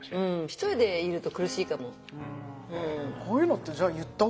一人でいると苦しいかも。